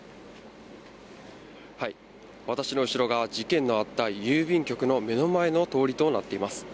私の後ろが事件のあった郵便局の目の前の通りとなっています。